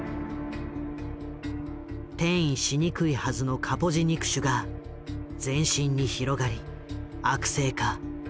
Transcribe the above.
転移しにくいはずのカポジ肉腫が全身に広がり悪性化。